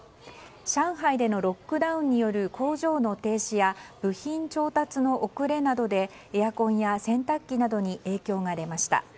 上海でのロックダウンによる工場の停止や部品調達の遅れなどでエアコンや洗濯機などに影響が出ました。